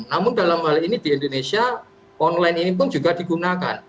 namun dalam hal ini di indonesia online ini pun juga digunakan